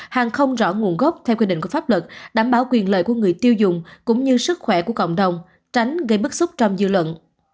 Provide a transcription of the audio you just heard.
hàng không rõ nguồn gốc theo quy định của pháp luật đảm bảo quyền lợi của người tiêu dùng cũng như sức khỏe của cộng đồng tránh gây bức xúc trong dư luận